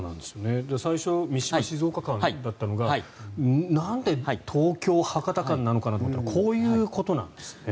最初三島静岡間だったのがなんで東京博多間なのかなと思ったらこういうことなんですね。